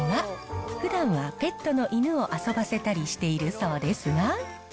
ふだんはペットの犬を遊ばせたりしているそうですが。